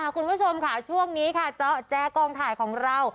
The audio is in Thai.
คุณผู้ชมค่ะช่วงนี้จ๊อกแจ๊กลองถ่ายของเรา